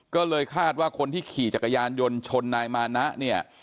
ก็เลยคาดว่าคนที่ขี่จักรยานยนต์ชนนายมานะเนี่ย